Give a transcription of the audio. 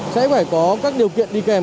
sẽ phải có các điều kiện đi kèm